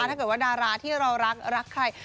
ถ้าเกิดว่าดาราที่เรารักรักใคร